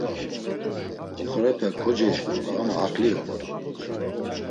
Oxorepe kocejguru ama haǩli ort̆u.